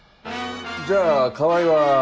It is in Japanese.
じゃあ川合は。